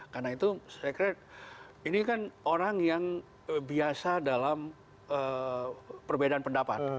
karena itu saya kira ini kan orang yang biasa dalam perbedaan pendapat